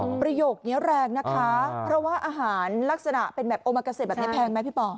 เบาะรายโยคแน้นแรงนะคะเพราะอาหารเป็นแบบอมกัสเซตแพงก์ไหมพี่พอ